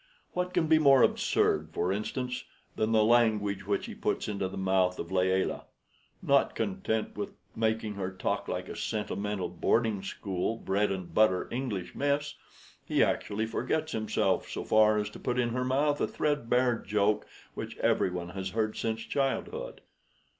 What can be more absurd, for instance, than the language which he puts into the mouth of Layelah? Not content with making her talk like a sentimental boarding school, bread and butter English miss, he actually forgets himself so far as to put in her mouth a threadbare joke, which everyone has heard since childhood."